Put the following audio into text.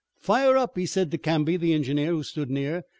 "Fire up!" he said to Canby, the engineer, who stood near.